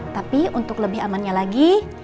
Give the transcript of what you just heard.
tapi untuk lebih amannya lagi